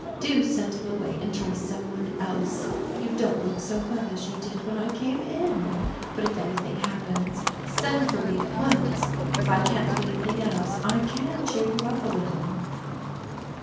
Do send him away and try some one else. You don't look so well as you did when I came in. But if anything happens, send for me at once. If I can't do anything else, I can cheer you up a little.